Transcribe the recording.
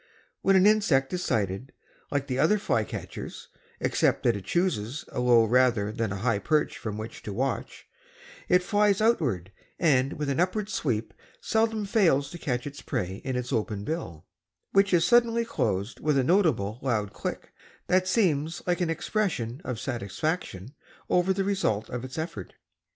When an insect is sighted, like the other flycatchers, except that it chooses a low rather than a high perch from which to watch, it flies outward and with an upward sweep seldom fails to catch its prey in its open bill, which is suddenly closed with a notably loud click that seems like an expression of satisfaction over the result of its efforts.